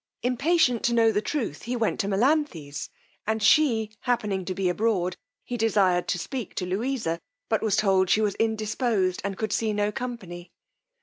Impatient to know the truth he went to Melanthe's, and she happening to be abroad, he desired to speak to Louisa, but was told she was indisposed, and could see no company.